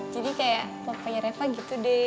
jadi kayak papinya reva gitu deh